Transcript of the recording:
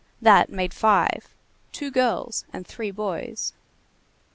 That made five; two girls and three boys.